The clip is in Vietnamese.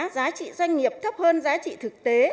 giá trị doanh nghiệp thấp hơn giá trị thực tế